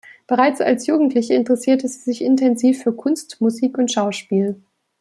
Bereits als Jugendliche interessierte sie sich intensiv für Kunst, Musik und Schauspiel.